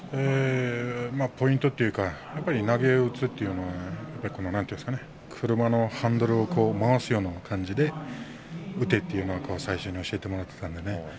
ポイントというか投げを打つというのは車のハンドルを回すような感じで打てということは最初に教えてもらいました。